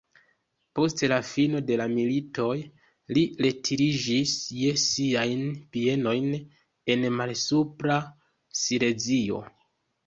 Post la fino de la militoj li retiriĝis je siajn bienojn en Malsupra Silezio.